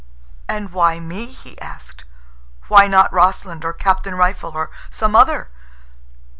"And why me?" he asked. "Why not Rossland, or Captain Rifle, or some other?